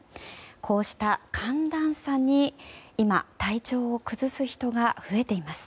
こうした寒暖差に今、体調を崩す人が増えています。